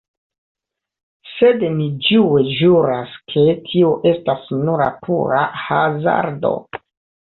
Sed ni ĝue ĵuras, ke tio estas nura pura hazardo.